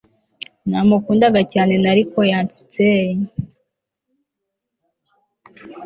namukundaga cyane nariko yancitser